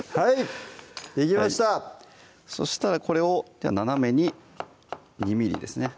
そしたらこれを斜めに２ｍｍですね